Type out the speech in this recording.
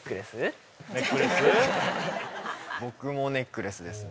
僕もネックレスですね